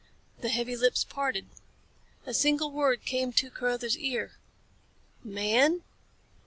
The heavy lips parted. A single word came to Carruthers' ear "Man?"